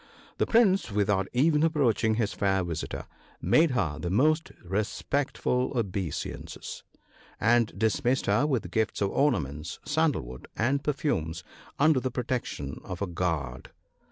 The Prince, without even approaching his fair visitor, made her the most respectful obeisances, and dismissed her with gifts of ornaments, sandal wood, and perfumes, under the protection of a guard.